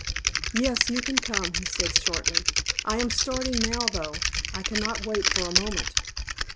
"Yes, you can come," he said, shortly. "I am starting now, though. I cannot wait for a moment."